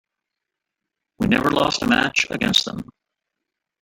We never lost a match against them.